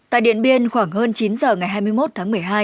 tại điện biên khoảng hơn chín giờ ngày hai mươi một tháng một mươi hai